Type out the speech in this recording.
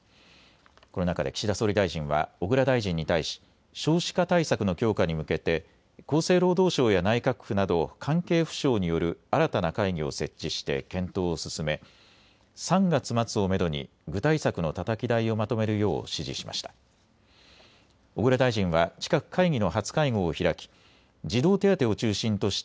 この中で岸田総理大臣は小倉大臣に対し、少子化対策の強化に向けて厚生労働省や内閣府など関係府省による新たな会議を設置して検討を進め、３月末をめどに具体策のたたき台をまとめるよう指示しました。